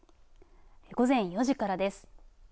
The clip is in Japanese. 午前４時からです。